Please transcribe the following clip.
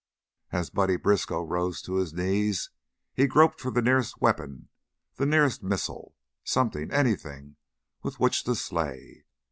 As Buddy Briskow rose to his knees he groped for the nearest weapon, the nearest missile, something anything with which to slay.